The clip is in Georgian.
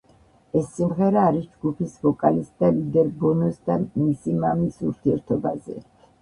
ეს სიმღერა არის ჯგუფის ვოკალისტ და ლიდერ ბონოს და მისი მამის ურთიერთობაზე.